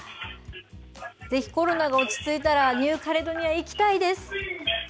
ぜひコロナが落ち着いたら、ニューカレドニア、行きたいです。